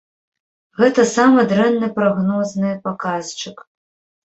Гэта самы дрэнны прагнозны паказчык.